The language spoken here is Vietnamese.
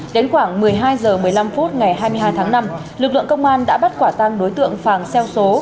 đến khoảng một mươi hai h một mươi năm phút ngày hai mươi hai tháng năm lực lượng công an đã bắt quả tăng đối tượng phàng xeo xố